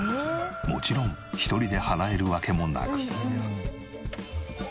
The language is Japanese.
もちろん１人で払えるわけもなく。